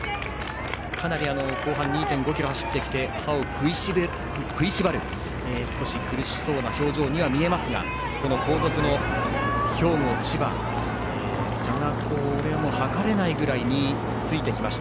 かなり後半２．５ｋｍ走ってきて歯を食いしばる少し苦しそうな表情には見えますが後続の兵庫、千葉との差が測れないぐらいについてきました。